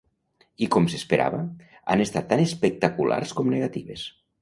I, com s’esperava, han estat tan espectaculars com negatives.